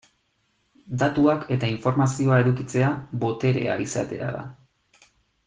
Datuak eta informazioa edukitzea, boterea izatea da.